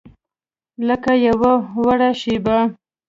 لکه یوه وړه شیبه